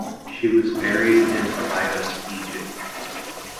She was buried in Abydos, Egypt.